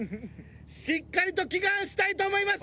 しっかりと祈願したいと思います！